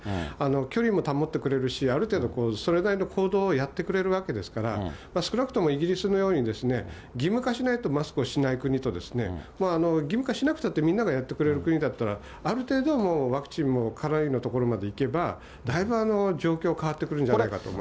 距離も保ってくれるし、ある程度それなりの行動をやってくれるわけですから、少なくともイギリスのように義務化しないとマスクをしない国と、義務化しなくたってみんながやってくれる国だったら、ある程度はもうワクチンもかなりのところまでいけば、大夫、状況は変わってくるんじゃないかと思います。